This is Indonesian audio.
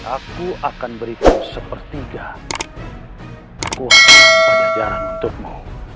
aku akan berikan sepertiga kekuasaan pajajaran untukmu